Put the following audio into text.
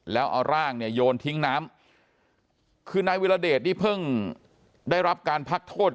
แล้วเอาร่างเนี่ยโยนทิ้งน้ำคือนายวิรเดชนี่เพิ่งได้รับการพักโทษ